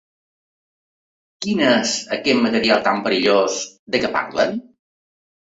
Quin és aquest material tan perillós de què parlen?